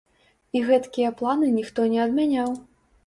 І гэткія планы ніхто не адмяняў.